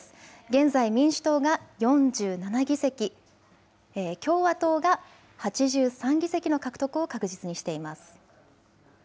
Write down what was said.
現在、民主党が４７議席、共和党が８３議席の獲得を確実にしています。